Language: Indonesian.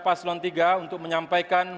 paslon tiga untuk menyampaikan